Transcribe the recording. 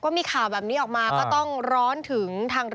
มีข่าวแบบนี้ออกมาก็ต้องร้อนถึงทาง